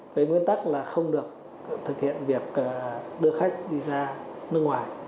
với nguyên tắc là không được thực hiện việc đưa khách đi ra nước ngoài